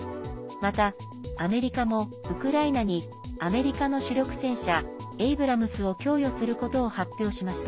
また、アメリカもウクライナにアメリカの主力戦車エイブラムスを供与することを発表しました。